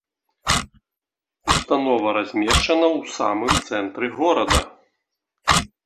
Установа размешчана ў самым цэнтры горада.